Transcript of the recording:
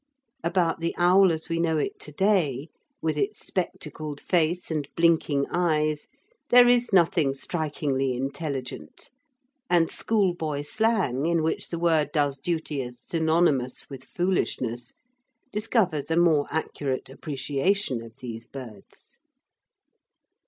About the owl as we know it to day, with its spectacled face and blinking eyes, there is nothing strikingly intelligent, and schoolboy slang, in which the word does duty as synonymous with foolishness, discovers a more accurate appreciation of these birds.